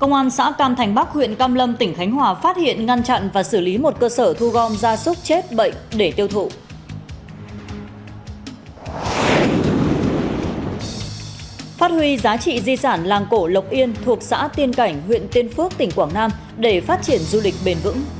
các bạn hãy đăng ký kênh để ủng hộ kênh của chúng mình nhé